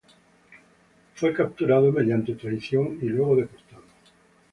Fue capturado mediante traición y luego deportado.